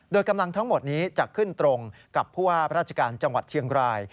โดยกำลังทั้งหมดนี้จะขึ้นตรงกับผู้ว่าราชการจังหวัดเชียงราย